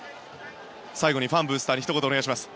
最後にファン、ブースターにひと言、お願いします。